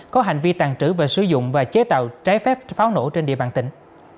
có hành vi tàn trữ về sử dụng và chế tạo trái phép pháo nổ trên địa bàn tỉnh